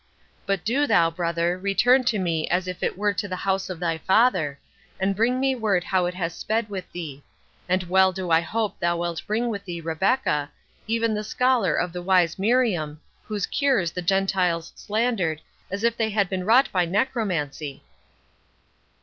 But do thou, brother, return to me as if it were to the house of thy father, and bring me word how it has sped with thee; and well do I hope thou wilt bring with thee Rebecca, even the scholar of the wise Miriam, whose cures the Gentiles slandered as if they had been wrought by necromancy."